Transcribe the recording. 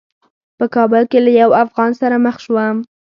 په کابل کې له یوه افغان سره مخ شوم.